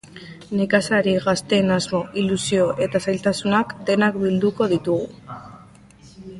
Nekazari gazteen asmo, ilusio, eta zailtasunak, denak bilduko ditugu.